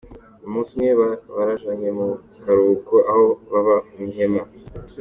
Umusi umwe barajanye mu karuhuko aho baba mw’ihema.